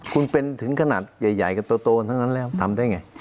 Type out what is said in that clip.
คุณเป็นถึงขนาดใหญ่กับโตแล้วทำได้อย่างไร